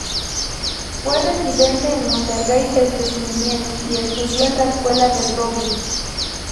Fue residente en Monterrey desde su niñez, y estudió en la escuela del Roble.